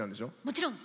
もちろん。